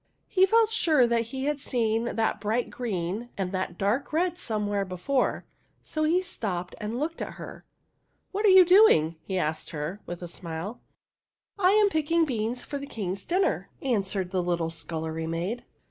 He felt sure that he had seen that bright green and that dark red somewhere before, so he stopped and looked at her. " What are you doing ?" he asked her, with a smile. '' I am picking beans for the King's dinner," answered the little scullery maid.